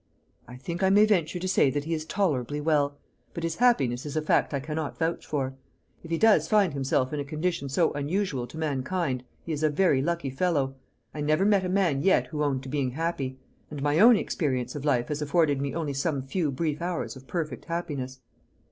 "I think I may venture to say that he is tolerably well; but his happiness is a fact I cannot vouch for. If he does find himself in a condition so unusual to mankind, he is a very lucky fellow. I never met a man yet who owned to being happy; and my own experience of life has afforded me only some few brief hours of perfect happiness."